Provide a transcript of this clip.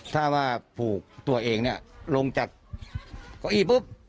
ถ้าว่าผูกตัวเองเนี่ยลงจากเก้าอี้ปุ๊บ